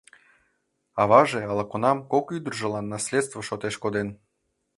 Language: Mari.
Аваже ала-кунам кок ӱдыржылан наследство шотеш коден.